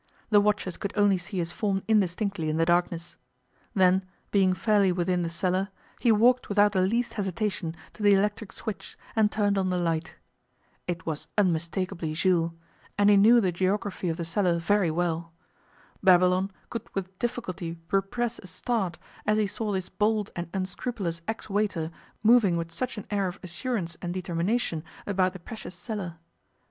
The watchers could only see his form indistinctly in the darkness. Then, being fairly within the cellar, he walked without the least hesitation to the electric switch and turned on the light. It was unmistakably Jules, and he knew the geography of the cellar very well. Babylon could with difficulty repress a start as he saw this bold and unscrupulous ex waiter moving with such an air of assurance and determination about the precious cellar.